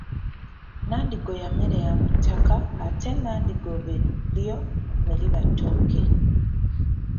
Nandigoya mmere ya mu ttaka ate nandigobe lyo ne liba ttooke.